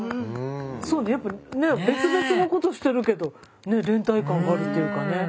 そうね別々のことしてるけど連帯感があるっていうかね。